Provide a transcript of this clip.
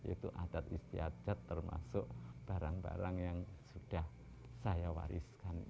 itu adat istiadat termasuk barang barang yang sudah saya wariskan